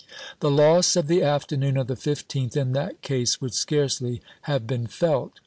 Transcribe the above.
The loss of the afternoon of the 15th in that case would scarcely have been felt.